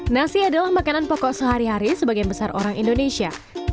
nasi adalah makanan pokok sehari hari sebagian besar orang indonesia